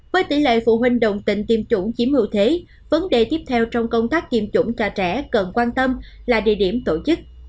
với tỷ lệ phụ huynh đồng tình tiêm chủng chiếm ưu thế vấn đề tiếp theo trong công tác tiêm chủng cho trẻ cần quan tâm là địa điểm tổ chức